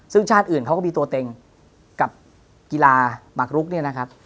ซึ่งชาติอื่นเขาก็มีตัวเต็งกับกีฬาหมากรุก